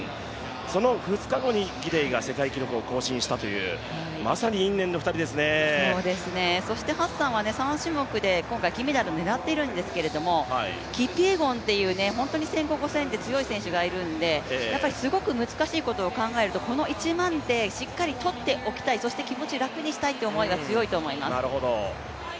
その２日後にギデイが世界記録を更新したというそしてハッサンは３種目で今回金メダルを狙っているんですけどキピエゴンという、本当に１５００、５０００で強い選手がいるのですごく難しいことを考えると、この１００００ｍでメダルを取っておきたい、そして気持ち、楽にしたいという思いが強いと思います。